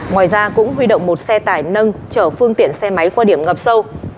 ngoài ra cũng huy động một xe tải nâng chở phương tiện xe máy qua điểm ngập sâu